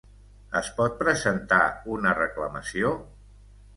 Es pot presentar una reclamació?